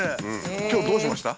今日どうしました？